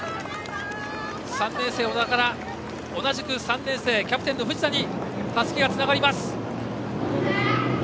３年生、小田から同じく３年生キャプテンの藤田にたすきがつながります。